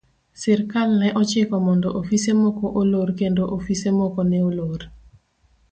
Sirkal ne ochiko mondo ofise moko olor kendo ofise moko ne olor.